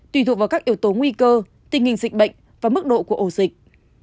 tùy thuộc vào các yếu tố nguy cơ tình hình dịch bệnh và mức độ của ổ dịch